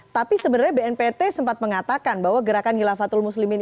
tapi sebenarnya bnpt sempat mengatakan bahwa gerakan khilafatul muslim ini